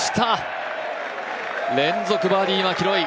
連続バーディー、マキロイ！